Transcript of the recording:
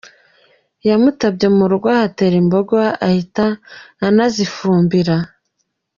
Yamutabye mu rugo ahatera imboga ahita anazifumbira